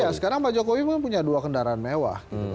iya sekarang pak jokowi punya dua kendaraan mewah